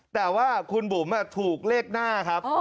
แต่ว่าคุณบุ๋มถูกเลขหน้าครับ